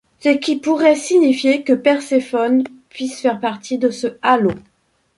Ce qui pourrait signifier que Perséphone puisse faire partie de ce halo.